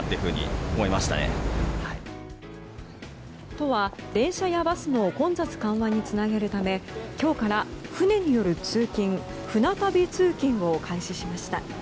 都は電車やバスの混雑緩和につなげるため今日から船による通勤舟旅通勤を開始しました。